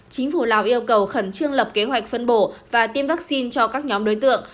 chính phủ lào yêu cầu khẩn trương lập kế hoạch phân bổ và tiêm vaccine cho các nhóm đối tượng